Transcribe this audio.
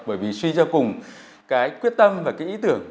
bởi vì suy ra cùng cái quyết tâm và cái ý tưởng